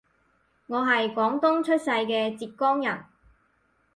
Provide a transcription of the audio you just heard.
我係廣東出世嘅浙江人